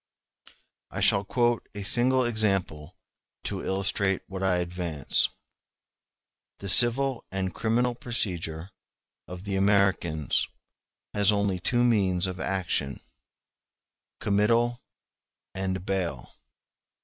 I shall quote a single example to illustrate what I advance. The civil and criminal procedure of the Americans has only two means of action—committal and bail.